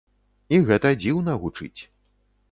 І гэта дзіўна гучыць.